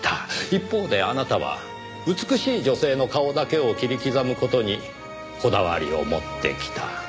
一方であなたは美しい女性の顔だけを切り刻む事にこだわりを持ってきた。